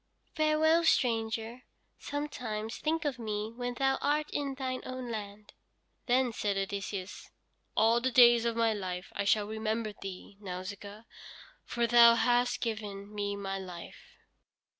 "Farewell, stranger. Sometimes think of me when thou art in thine own land." Then said Odysseus: "All the days of my life I shall remember thee, Nausicaa, for thou hast given me my life."